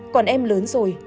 còn em lớn rồi